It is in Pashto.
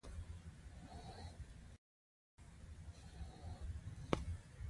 څنګه په سپينه جامه ګرځې رب دې مئين کړه چې خيرن دې ووينمه